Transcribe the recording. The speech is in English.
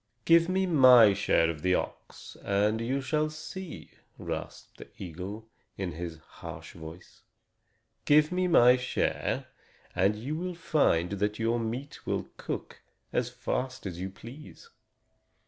"Give me my share of the ox, and you shall see," rasped the eagle, in his harsh voice. "Give me my share, and you will find that your meat will cook as fast as you please."